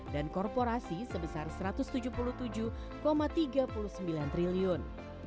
dan korporasi sebesar rp satu ratus tujuh puluh tujuh tiga puluh sembilan triliun